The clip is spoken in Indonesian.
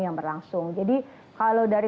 yang berlangsung jadi kalau dari